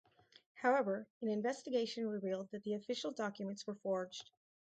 However, an investigation revealed that the official documents were forged.